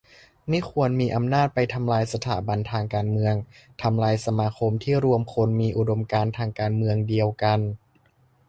ไม่ควรมีอำนาจไปทำลายสถาบันทางการเมือง ทำลายสมาคมที่รวมคนมีอุดมการณ์ทางการเมืองเดียวกัน